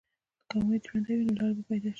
که امید ژوندی وي، نو لارې به پیدا شي.